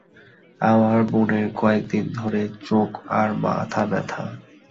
আমার বোনের কয়েকদিন ধরে চোখ আর মাথা ব্যথা।